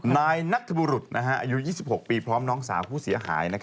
นายนัทบุรุษอายุ๒๖ปีพร้อมน้องสาวผู้เสียหาย